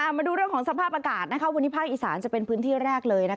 มาดูเรื่องของสภาพอากาศวันนี้ภาคอีสานจะเป็นพื้นที่แรกเลย